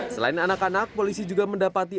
selain anak anak polisi juga mendapati